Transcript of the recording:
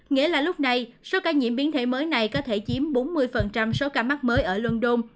nghĩa là lúc này số ca nhiễm biến thể mới này có thể chiếm bốn mươi số ca mắc mới ở london